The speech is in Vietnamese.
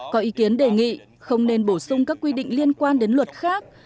có ý kiến đề nghị không nên bổ sung các quy định liên quan đến luật khác